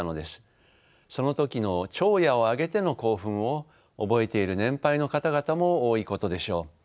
その時の朝野を挙げての興奮を覚えている年配の方々も多いことでしょう。